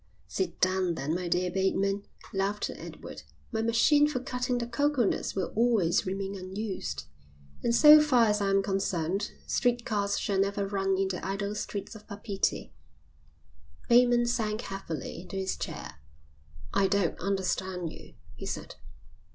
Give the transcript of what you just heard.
"Sit down, then, my dear Bateman," laughed Edward. "My machine for cutting the coconuts will always remain unused, and so far as I'm concerned street cars shall never run in the idle streets of Papeete." Bateman sank heavily into his chair. "I don't understand you," he said.